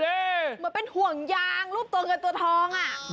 เหมือนเป็นห่วงยางรูปตรงกับตัวทองล่ะ